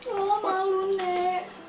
lala malu nek